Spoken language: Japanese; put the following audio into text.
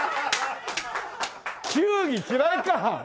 球技嫌いか。